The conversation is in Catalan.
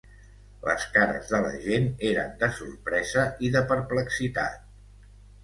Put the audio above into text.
Les cares de la gent eren de sorpresa i de perplexitat.